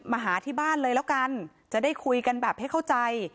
มาหาที่บ้านเลยแล้วกันจะได้คุยกันแบบให้เข้าใจ